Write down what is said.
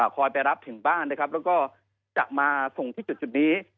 ไปรับถึงบ้านนะครับแล้วก็จะมาส่งที่จุดนี้